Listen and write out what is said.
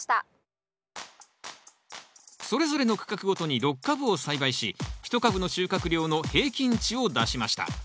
それぞれの区画ごとに６株を栽培し１株の収穫量の平均値を出しました。